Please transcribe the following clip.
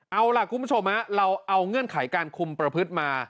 เอาล่ะคุณผู้ชมเราเอาเงื่อนไขการคุมประพฤติมา